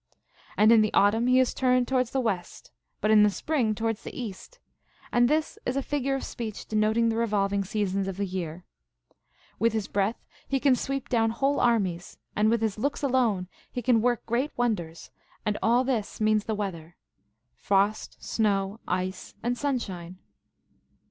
And in the autumn he is turned towards the west, but in the spring towards the east, and this is a figure of speech denoting the revolving seasons of the year. With his breath he can sweep down whole armies, and with his looks alone he can work great wonders, and all this means the weather, frost, snow, ice, and sunshine.